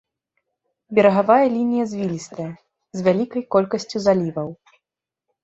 Берагавая лінія звілістая з вялікай колькасцю заліваў.